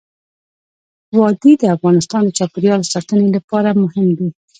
وادي د افغانستان د چاپیریال ساتنې لپاره مهم دي.